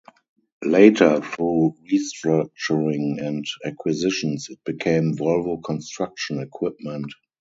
Later, through restructuring and acquisitions, it became Volvo Construction Equipment.